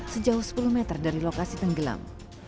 sejauh sepuluh meter dari lokasi tenggelam